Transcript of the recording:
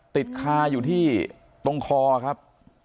ติดคาอยู่ที่ตรงคอครับ